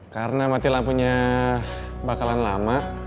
karena mati lampunya bakalan lama